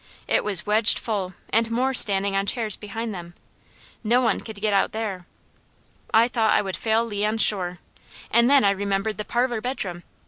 It was wedged full and more standing on chairs behind them. No one could get out there. I thought I would fail Leon sure, and then I remembered the parlour bedroom.